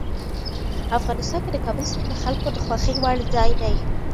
افغانستان کې د کابل سیند د خلکو د خوښې وړ ځای دی.